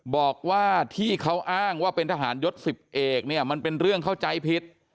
บอกว่าที่เขาอ้างว่าเป็นทหารยศ๑๐เอกเนี่ยมันเป็นเรื่องเข้าใจผิด